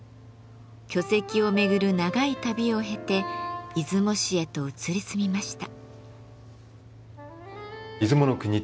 巨石を巡る長い旅を経て出雲市へと移り住みました。